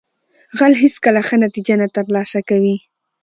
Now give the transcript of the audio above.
غل هیڅکله ښه نتیجه نه ترلاسه کوي